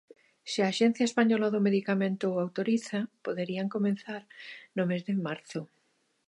Se a Axencia Española do Medicamento o autoriza, poderían comezar no mes de marzo.